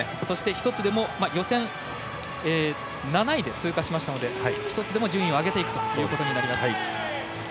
予選７位で通過しましたので１つでも順位を上げていくということになります。